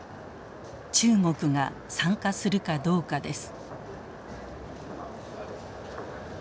中国が参加するかどうかです。